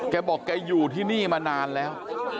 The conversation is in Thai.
แกบอกแกอยู่ที่นี่มานานแล้ว